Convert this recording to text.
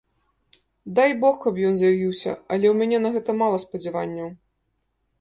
Дай бог, каб ён з'явіўся, але ў мяне на гэта мала спадзяванняў.